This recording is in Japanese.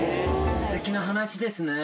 すてきな話ですね。